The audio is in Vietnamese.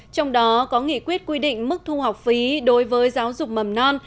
trong đó có nghị quyết quy định mức thu học phí đối với giáo dục mầm non